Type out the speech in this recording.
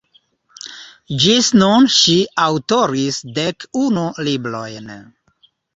Ĝis nun ŝi aŭtoris dek unu librojn.